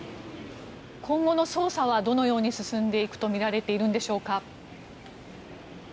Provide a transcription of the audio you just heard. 今後の捜査はどのように進んでいくとみられているのでしょうか。